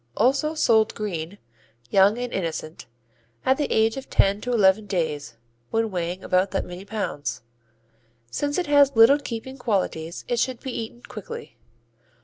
Also sold "green," young and innocent, at the age of ten to eleven days when weighing about that many pounds. Since it has little keeping qualities it should be eaten quickly.